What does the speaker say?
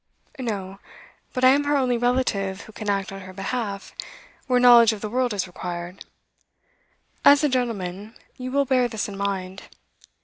'No, but I am her only relative who can act on her behalf where knowledge of the world is required. As a gentleman, you will bear this in mind.